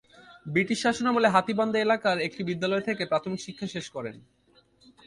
British শাসনামলে হাতীবান্ধা এলাকার একটি বিদ্যালয় থেকে প্রাথমিক শিক্ষা শেষ করেন।